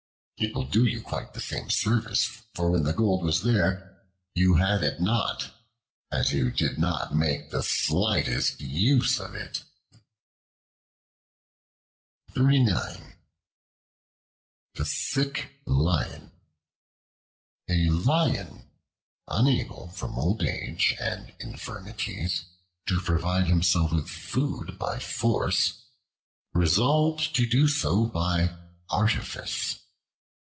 It will do you quite the same service; for when the gold was there, you had it not, as you did not make the slightest use of it." The Sick Lion A LION, unable from old age and infirmities to provide himself with food by force, resolved to do so by artifice.